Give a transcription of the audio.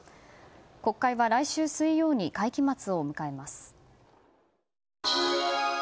国会は来週水曜に会期末を迎えます。